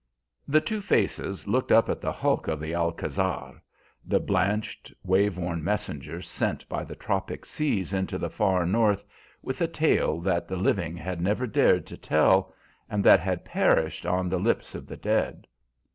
The two faces looked up at the hulk of the Alcázar, the blanched, wave worn messenger sent by the tropic seas into the far North with a tale that the living had never dared to tell, and that had perished on the lips of the dead.